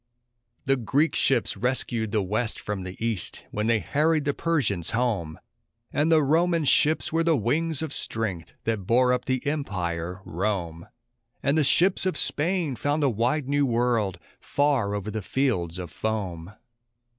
The Greek ships rescued the West from the East, when they harried the Persians home; And the Roman ships were the wings of strength that bore up the empire, Rome; And the ships or Spain found a wide new world far over the fields of foam.